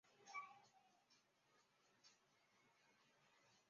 也有人说浸信会源于英国的分别主义者运动。